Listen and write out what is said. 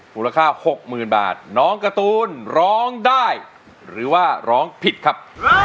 มูลค่า๖๐๐๐บาทน้องการ์ตูนร้องได้หรือว่าร้องผิดครับ